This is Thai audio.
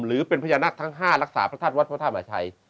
หรือเป็นพญานาคทั้ง๕รักษาพระธาตุวัดพระธาตุมาชัย